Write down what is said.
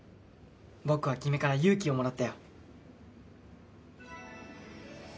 僕は君から勇気をもらったよ。